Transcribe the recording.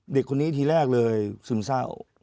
เด็กคนนี้ทีแรกเลยซึมเศร้า